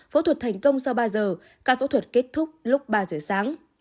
phẫu thuật thành công sau ba giờ ca phẫu thuật kết thúc lúc ba giờ sáng